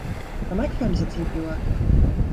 My microphone doesn't seem to be working.